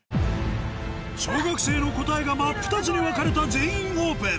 小学生の答えが真っ二つに分かれた「全員オープン」